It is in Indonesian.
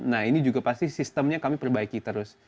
nah ini juga pasti sistemnya kami perbaiki terus